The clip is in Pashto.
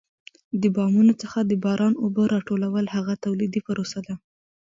د بامونو څخه د باران اوبه را ټولول هغه تولیدي پروسه ده.